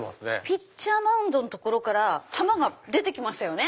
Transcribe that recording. ピッチャーマウンドの所から球が出てきましたよね。